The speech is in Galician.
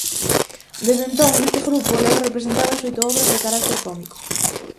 Desde entón, este grupo leva representadas oitos obras de carácter cómico.